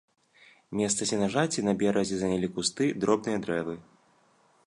Месца сенажаці на беразе занялі кусты, дробныя дрэвы.